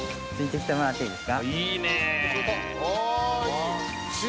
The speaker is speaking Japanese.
いいね。